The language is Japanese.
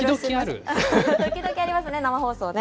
時々ありますよね、生放送ね。